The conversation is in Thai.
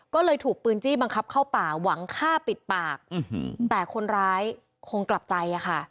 ก็เลยถูกปืนจี้บังคับเข้าป่าหวังฆ่าปิดปากแต่คนร้ายคงกลับใจอะค่ะ